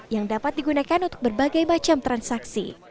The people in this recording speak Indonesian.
yang dapat digunakan untuk berbagai macam transaksi